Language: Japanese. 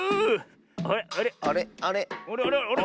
あれあれ？